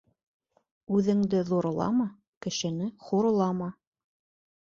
Үҙенде ҙурлама, кешене хурлама.